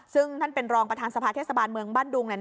ซึ่งท่านเป็นรองประธานสภาเทศบาลเมืองบ้านดุง